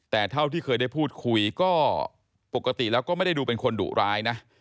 แต่เท่าที่เคยได้พูดคุยก็ปกติแล้วก็ไม่ได้ดูเป็นคนดุร้ายนะ